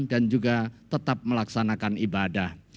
dan juga tetap melaksanakan ibadah